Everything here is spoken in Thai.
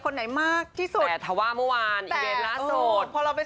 คนไหนมากที่สุด